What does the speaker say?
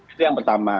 itu yang pertama